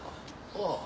ああ。